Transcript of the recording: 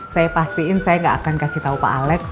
saya pastiin saya gak akan kasih tahu pak alex